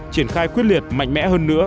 triển khai quyết liệt mạnh mẽ hơn nữa